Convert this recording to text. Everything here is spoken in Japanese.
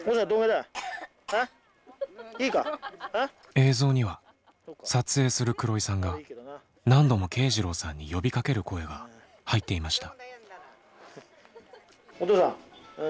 映像には撮影する黒井さんが何度も慶次郎さんに呼びかける声が入っていました。